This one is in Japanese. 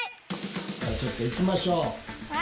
じゃあちょっと行きましょう。